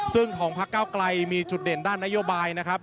ซึ่งของพักเก้าไกลมีจุดเด่นด้านนโยบายนะครับ